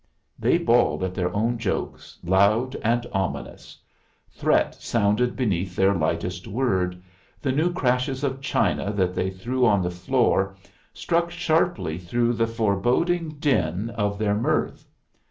They bawled at their own jokes, loud and ominous; threat sounded beneath their lightest word, the new crashes of china that they threw on the floor struck sharply through the foreboding din of their mirth.